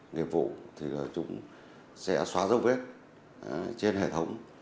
nghiệp vụ thì chúng sẽ xóa dấu vết trên hệ thống